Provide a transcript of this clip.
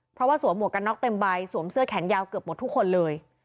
เพราะว่าสวมหมวกกันน็อกเต็มใบสวมเสื้อแขนยาวเกือบหมดทุกคนเลย